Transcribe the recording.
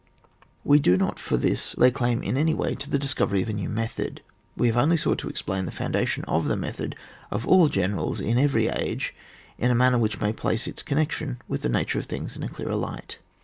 We do not by this lay claim in any way to the discovery of a new method, we have only sought to explain the foundation of the method of all generals, in every age, in a manner which may place its connection with the nature of things in a clearer light.